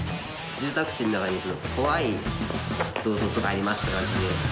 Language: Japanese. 住宅地の中に怖い銅像とかありますって感じで。